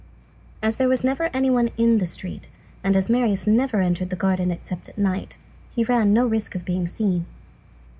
As there was never any one in the street, and as Marius never entered the garden except at night, he ran no risk of being seen.